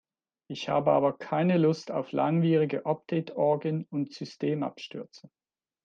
Ich habe aber keine Lust auf langwierige Update-Orgien und Systemabstürze.